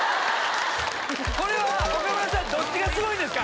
これは岡村さんどっちがすごいんですか？